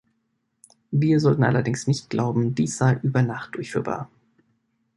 Wir sollten allerdings nicht glauben, dies sei über Nacht durchführbar.